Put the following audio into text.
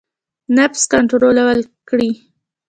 نفس کنټرول کړئ